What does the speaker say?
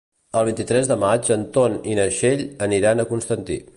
El vint-i-tres de maig en Ton i na Txell aniran a Constantí.